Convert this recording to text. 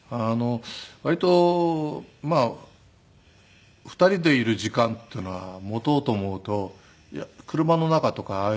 割と２人でいる時間っていうのは持とうと思うと車の中とかああいうのが結構いいんですよ。